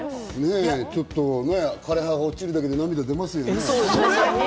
枯れ葉が落ちるだけで涙が出ますよね。